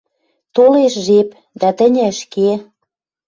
Толеш жеп, дӓ тӹньӹ ӹшке